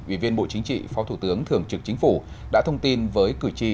ủy viên bộ chính trị phó thủ tướng thường trực chính phủ đã thông tin với cử tri